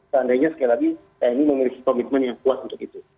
seandainya sekali lagi tni memiliki komitmen yang kuat untuk itu